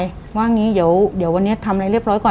ว่างี้เดี๋ยววันนี้ทำอะไรเรียบร้อยก่อน